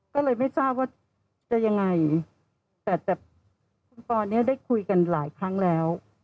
ก็เลยไม่ทราบว่าจะยังไงแต่แต่คุณปอเนี่ยได้คุยกันหลายครั้งแล้ว